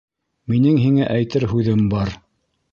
Минең һиңә әйтер һүҙем бар!